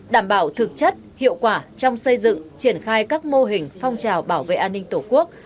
đảm bảo thực chất hiệu quả trong xây dựng triển khai các mô hình phong trào bảo vệ an ninh tổ quốc